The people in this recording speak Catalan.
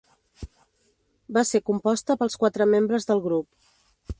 Va ser composta pels quatre membres del grup.